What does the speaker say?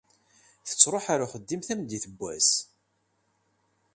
Tettṛuḥ ar uxeddim tameddit n wass.